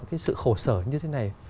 cái sự khổ sở như thế này